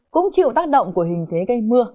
cũng chịu tác động của hình thế gây mưa